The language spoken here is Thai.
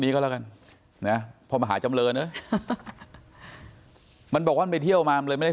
นี้ก็แล้วกันนะมันบอกว่าไปเที่ยวมาเลยไม่ได้